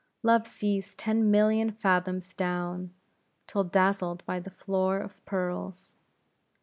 Love sees ten million fathoms down, till dazzled by the floor of pearls.